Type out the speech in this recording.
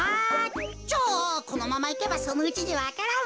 じゃあこのままいけばそのうちにわか蘭も。